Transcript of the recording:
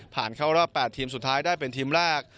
เข้ารอบ๘ทีมสุดท้ายได้เป็นทีมแรก